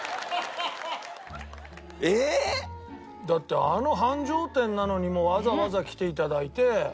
だってあの繁盛店なのにわざわざ来て頂いて。